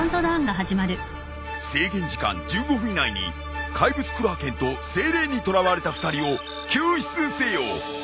制限時間１５分以内に怪物クラーケンとセイレーンに捕らわれた２人を救出せよ。